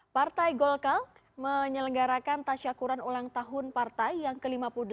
partai golkar menyelenggarakan tasyakuran ulang tahun partai yang ke lima puluh delapan